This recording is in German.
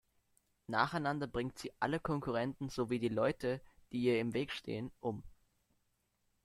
Nacheinander bringt sie alle Konkurrenten sowie die Leute, die ihr im Weg stehen, um.